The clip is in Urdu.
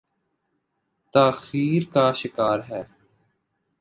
تاخیر کا شکار ہے۔